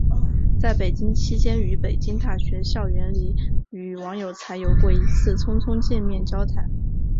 在北京期间在北京大学校园里与王有才有过一次匆匆见面交谈。